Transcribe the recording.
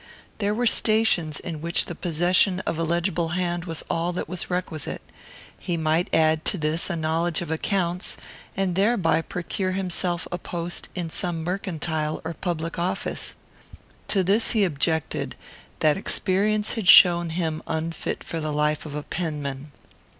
There were stations in which the possession of a legible hand was all that was requisite. He might add to this a knowledge of accounts, and thereby procure himself a post in some mercantile or public office. To this he objected, that experience had shown him unfit for the life of a penman.